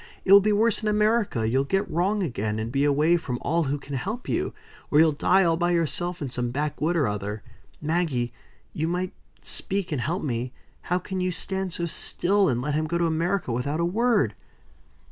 It will be worse in America. You'll get wrong again, and be away from all who can help you. Or you'll die all by yourself, in some backwood or other. Maggie! you might speak and help me how can you stand so still, and let him go to America without a word!"